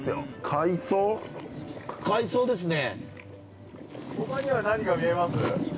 ◆海藻ですね。